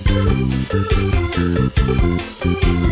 พออินโตรเพลงขึ้น